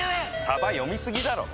さば読みすぎだろ！